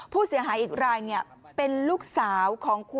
ผู้เสียหายอีกรายเป็นลูกสาวของครู